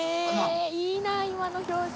へぇっいいな今の表情。